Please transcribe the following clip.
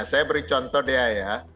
saya beri contoh dia ya